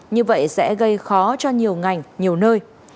như vậy sẽ gây khó cho nhiều ngành nhiều nơi